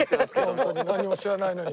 ホントに何も知らないのに。